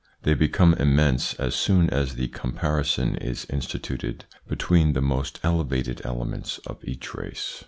They become immense as soon as the com parison is instituted between the most elevated elements of each race.